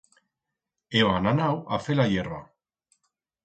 Hébam anau a fer la hierba.